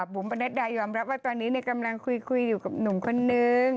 บุ๋มประนัดดายอมรับว่าตอนนี้กำลังคุยอยู่กับหนุ่มคนนึง